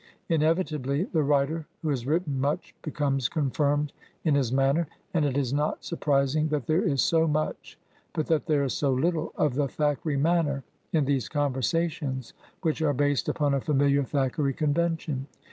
Inevitably the writer who has written much be comes confirmed in his manner, and it is not surprising that there is so much, but that there is so little, of the Thackeray manner in these conversations, which are based upon a familiar Thackeray convention.